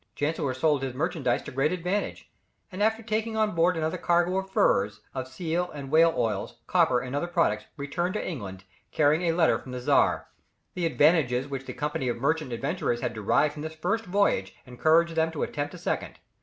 Chancellor sold his merchandise to great advantage, and after taking on board another cargo of furs, of seal and whale oils, copper, and other products, returned to England, carrying a letter from the Czar. The advantages which the Company of Merchant Adventurers had derived from this first voyage, encouraged them to attempt a second.